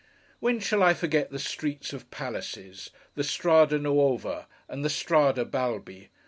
When shall I forget the Streets of Palaces: the Strada Nuova and the Strada Balbi!